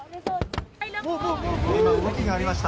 今、動きがありました。